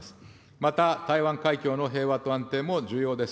また、台湾海峡の平和と安定も重要です。